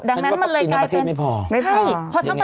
ดังนั้นมันเลยกลายเป็นฉันว่าวัคซีนทั้งประเทศไม่พอ